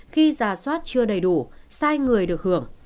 khi giả soát chưa đầy đủ sai người được hưởng